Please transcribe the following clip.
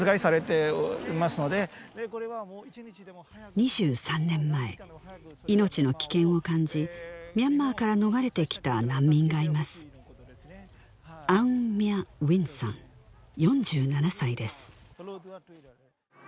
２３年前命の危険を感じミャンマーから逃れてきた難民がいますアウン・ミャッ・ウィンさん４７歳です